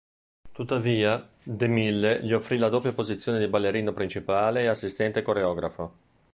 Tuttavia, De Mille gli offrì la doppia posizione di ballerino principale e assistente coreografo.